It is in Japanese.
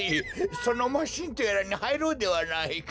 そのマシーンとやらにはいろうではないか。